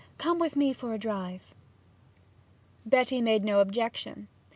Come with me for a drive.' Betty made no objection.